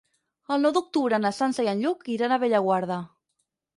El nou d'octubre na Sança i en Lluc iran a Bellaguarda.